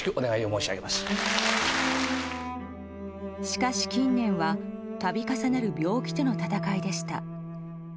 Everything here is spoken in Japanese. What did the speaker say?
しかし、近年は度重なる病気との闘いでした。